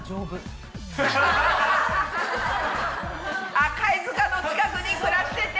あ貝塚の近くに暮らしてて。